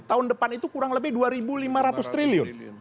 tahun depan itu kurang lebih dua lima ratus triliun